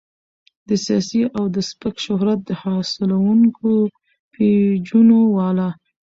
د سياسي او د سپک شهرت حاصلونکو پېجونو والا